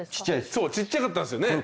そうちっちゃかったんすよね。